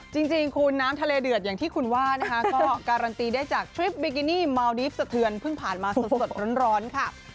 จริงคุณน้ำทะเลเดือดอย่างที่คุณว่านะคะก็การันตีได้จากทริปบิกินี่เมาดีฟสะเทือนเพิ่งผ่านมาสดร้อนค่ะ